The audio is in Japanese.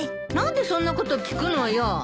何でそんなこと聞くのよ。